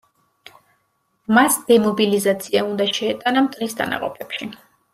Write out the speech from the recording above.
მას დემობილიზაცია უნდა შეეტანა მტრის დანაყოფებში.